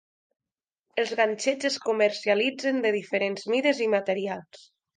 Els ganxets es comercialitzen de diferents mides i materials.